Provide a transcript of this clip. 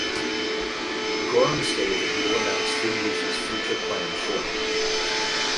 Gorham has stated that he will announce Thin Lizzy's future plans shortly.